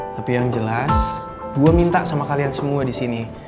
tapi yang jelas gue minta sama kalian semua di sini